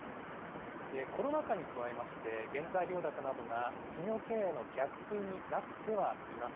コロナ禍に加えまして、原材料高などが企業経営の逆風になってはいます。